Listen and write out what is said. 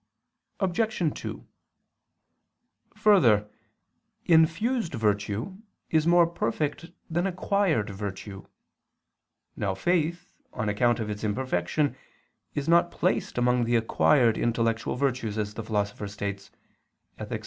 Obj. 2: Further, infused virtue is more perfect than acquired virtue. Now faith, on account of its imperfection, is not placed among the acquired intellectual virtues, as the Philosopher states (Ethic.